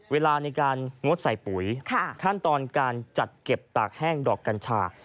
เวลาในการงดใส่ปุ๋ยขั้นตอนการจัดเก็บตากแห้งดอกกัญชา